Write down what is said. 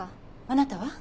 あなたは？